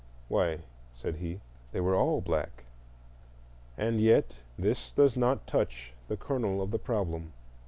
"Why," said he, "they were all black." And yet this does not touch the kernel of the problem.